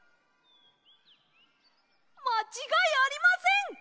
まちがいありません！